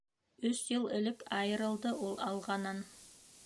Өс йыл элек айырылды ул «Алға»нан.